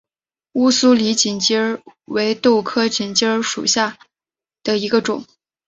乌苏里锦鸡儿为豆科锦鸡儿属下的一个种。